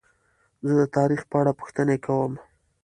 زه د تاریخ په اړه پوښتنې کوم.